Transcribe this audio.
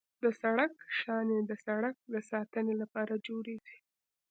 د سړک شانې د سړک د ساتنې لپاره جوړیږي